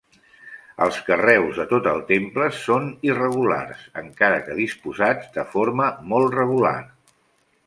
Els carreus de tot el temple són irregulars, encara que disposats de forma molt regular.